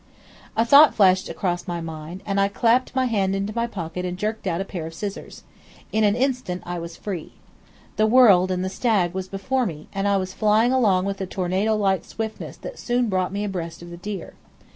A thought flashed across my mind, and I clapped my hand into my pocket and jerked out a pair of scissors. In an instant I was free. The world and the stag was before me, and I was flying along with a tornado like swiftness that soon brought me abreast of the deer.